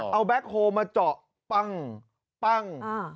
เอาแบ็คโฮมาเจาะปั้งปั้งอ่า